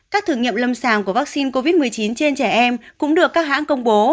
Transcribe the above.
các thử nghiệm lâm sàng của vaccine covid một mươi chín trên trẻ em cũng được các hãng công bố